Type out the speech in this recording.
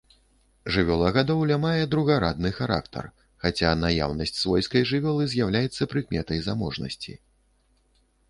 Жывёлагадоўля мае другарадны характар, хаця наяўнасць свойскай жывёлы з'яўляецца прыкметай заможнасці.